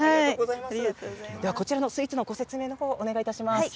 こちらのスイーツのご説明をお願いします。